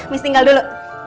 miss tinggal dulu